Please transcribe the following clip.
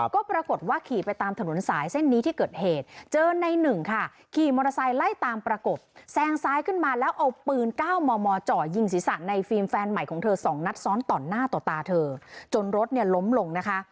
ก็ปรากฏว่าขี่ไปตามถนนสายเส้นนี้ที่เกิดเหตุเจอในหนึ่งค่ะขี่มอเตอร์ไซค์ไล่ตามประกบแซงซ้ายขึ้นมาแล้วเอาปืน๙มมเจาะยิงศีรษะในฟิล์มแฟนใหม่ของเธอ๒นัดซ้อนต่อหน้าต่อตาเธอจนรถเนี่ยล้มลงนะคะ